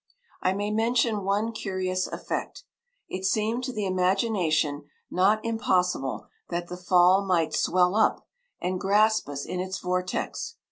I may mention one curious effect:—it seemed to the imagination not impossible that the Fall might swell up, and grasp us in its vortex.